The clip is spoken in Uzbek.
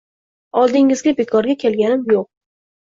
Oldingizga bekorga kelganim yo`q